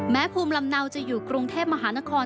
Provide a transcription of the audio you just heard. ภูมิลำเนาจะอยู่กรุงเทพมหานคร